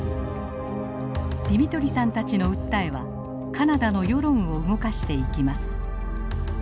ディミトリさんたちの訴えはカナダの世論を動かしていきます。